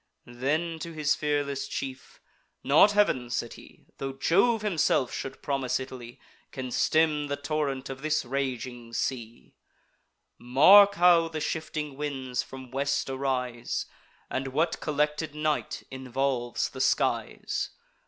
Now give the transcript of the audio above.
Then, to his fearless chief: "Not Heav'n," said he, "Tho' Jove himself should promise Italy, Can stem the torrent of this raging sea. Mark how the shifting winds from west arise, And what collected night involves the skies!